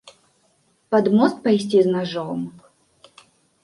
Пад мост пайсці з нажом?